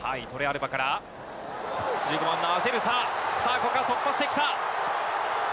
ここは突破してきた。